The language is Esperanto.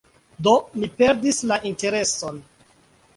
Do, mi perdis la intereson.